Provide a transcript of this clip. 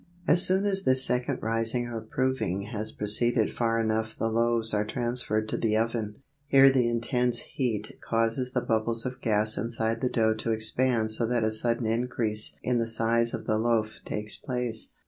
As soon as this second rising or proving has proceeded far enough the loaves are transferred to the oven. Here the intense heat causes the bubbles of gas inside the dough to expand so that a sudden increase in the size of the loaf takes place.